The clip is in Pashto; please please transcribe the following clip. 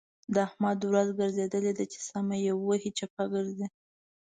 د احمد ورځ ګرځېدل ده؛ چې سمه يې وهي - چپه کېږي.